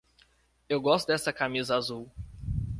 Eu gosto dessa camisa azul.